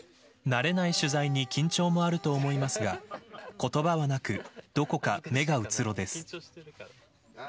慣れない取材に緊張もあると思いますが言葉はなくどこか、目がうつろです。